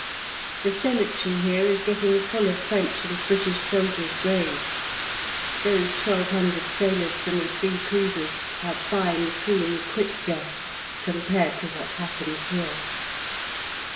The cemetery here is getting full of French and British soldiers' graves. Those 1200 sailors from the three cruisers had fine clean quick deaths compared to what happens here.